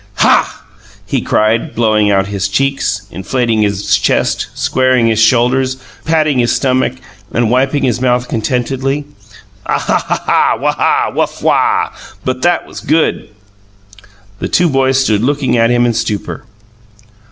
"Hah!" he cried, blowing out his cheeks, inflating his chest, squaring his shoulders, patting his stomach, and wiping his mouth contentedly. "Hah! Aha! Waha! Wafwah! But that was good!" The two boys stood looking at him in stupor.